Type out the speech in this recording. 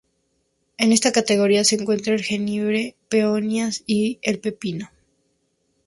En esta categoría se encuentra el jengibre, peonías y el pepino.